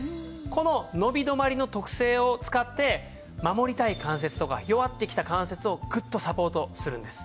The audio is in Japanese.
この伸び止まりの特性を使って守りたい関節とか弱ってきた関節をグッとサポートするんです。